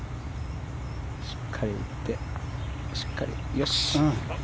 しっかり打ってしっかりよし。